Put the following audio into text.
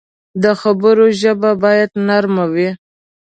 د خبرو ژبه باید نرم وي